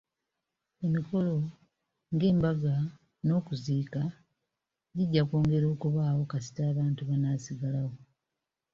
Emikolo nga embaga n'okuziika gijja kwongera okubaawo kasita abantu banaasigalawo.